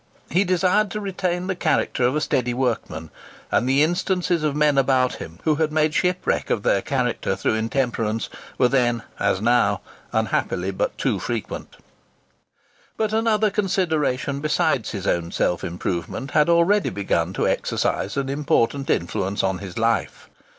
He desired to retain the character of a steady workman; and the instances of men about him who had made shipwreck of their character through intemperance, were then, as now, unhappily but too frequent. But another consideration besides his own self improvement had already begun to exercise an important influence on his life.